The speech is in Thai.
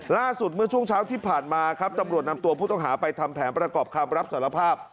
ล่าสุดเมื่อช่วงเช้าที่ผ่านมาครับตำรวจนำตัวผู้ต้องหาไปทำแผนประกอบคำรับสารภาพ